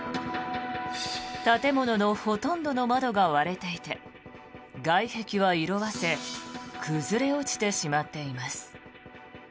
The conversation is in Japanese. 建物のほとんどの窓が割れていて外壁は色あせ崩れ落ちてしまっています。